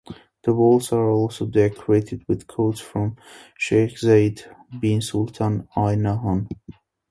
The walls are also decorated with quotes from Sheikh Zayed bin Sultan Al Nahyan.